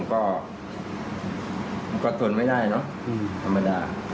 ผมก็ก็สนไม่ได้เนอะธรรมดา